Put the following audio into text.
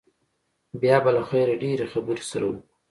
بيا به له خيره ډېرې خبرې سره وکو.